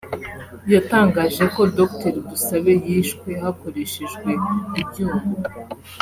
yatangaje ko Dr Dusabe yishwe hakoreshejwe ibyuma